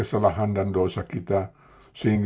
salam dan doa kami